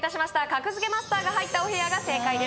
格付けマスターが入ったお部屋が正解です